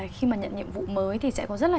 khi mà nhận nhiệm vụ mới thì sẽ có rất là